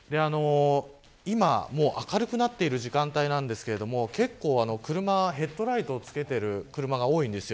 今、明るくなってる時間帯ですが結構、車がヘッドライトをつけている車が多いんです。